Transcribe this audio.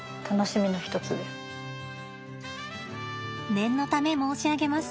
念のため申し上げます。